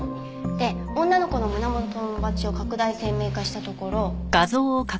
で女の子の胸元のバッジを拡大鮮明化したところ。